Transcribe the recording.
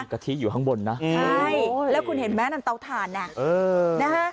กะทิอยู่ข้างบนนะใช่แล้วคุณเห็นไหมนั่นเตาถ่านอ่ะเออนะฮะ